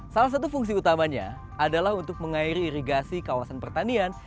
salah satu fungsi utamanya adalah untuk mengairi irigasi kawasan pertanian